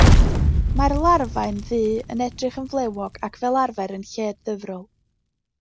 Mae'r larfâu'n ddu, yn edrych yn flewog, ac fel arfer yn lled-ddyfrol.